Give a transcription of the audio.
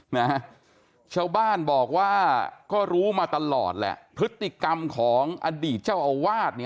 นะฮะชาวบ้านบอกว่าก็รู้มาตลอดแหละพฤติกรรมของอดีตเจ้าอาวาสเนี่ย